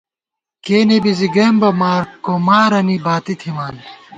کېنے بی زی گئیم بہ مارکومارَنی باتی تھمان